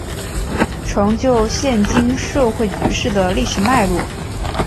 成就现今社会局势的历史脉络